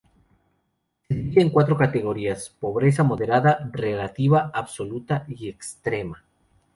Se divide en cuatro categorías: pobreza moderada, relativa, absoluta y extrema.